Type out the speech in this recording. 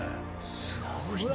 すごいな。